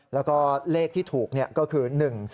แล้วก็เลขที่ถูกก็คือ๑๔